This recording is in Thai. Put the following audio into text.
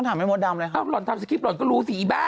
ทำสกิปแล้วหลอนก็รู้สิอีบ้า